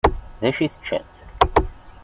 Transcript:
Dacu i teččamt?